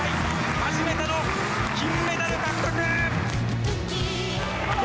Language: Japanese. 初めての金メダル獲得！